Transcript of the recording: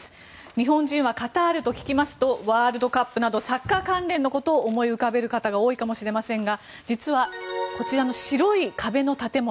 日本人はカタールと聞きますとワールドカップなどサッカー関連のことを思い浮かべる方が多いかもしれませんが実はこちらの白い壁の建物